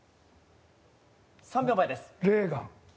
３秒前です。